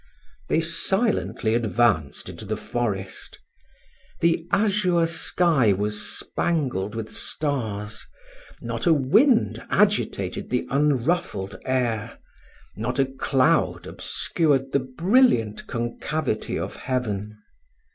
They silently advanced into the forest. The azure sky was spangled with stars not a wind agitated the unruffled air not a cloud obscured the brilliant concavity of heaven.